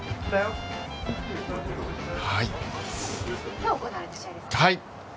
今日行われた試合です。